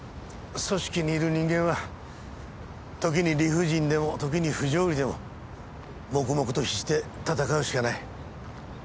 組織にいる人間は時に理不尽でも時に不条理でも黙々と必死で戦うしかない。